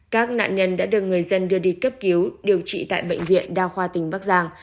các nạn nhân đã được người dân đưa đi cấp cứu điều trị tại bệnh viện đa khoa tỉnh bắc giang